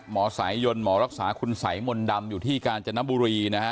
สายยนต์หมอรักษาคุณสัยมนต์ดำอยู่ที่กาญจนบุรีนะฮะ